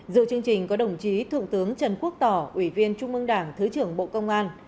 dự chương trình có đồng chí thượng tướng trần quốc tỏ ủy viên trung mương đảng thứ trưởng bộ công an